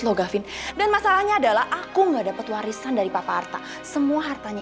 logah fin dan masalahnya adalah aku nggak dapet warisan dari papa harta semua hartanya